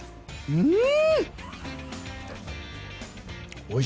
うん。